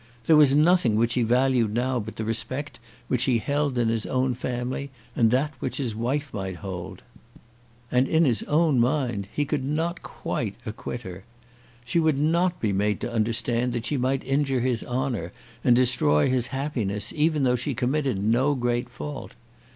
There was nothing which he valued now but the respect which he held in his own family and that which his wife might hold. And in his own mind he could not quite acquit her. She would not be made to understand that she might injure his honour and destroy his happiness even though she committed no great fault.